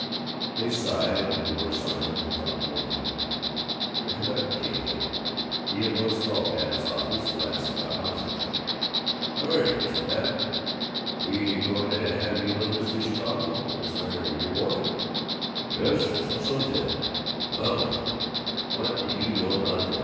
They sighed, and were silent and thoughtful and happy. The conductor came in. He had once called at Babbitt's office, to ask about houses. "H' are you, Mr. Babbitt! We going to have you with us to Chicago? This your boy?" "Yes, this is my son Ted." "Well now, what do you know about that!